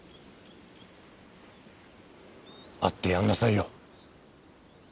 会ってやんなさいよ。